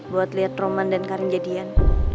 buat lihat roman dan karin jadian